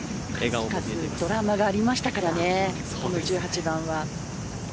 数々のドラマがありましたからこの１８番は。